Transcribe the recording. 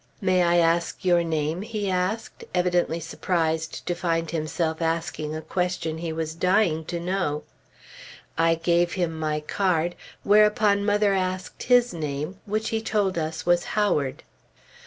"May I ask your name?" he asked, evidently surprised to find himself asking a question he was dying to know. I gave him my card, whereupon mother asked his name, which he told us was Howard.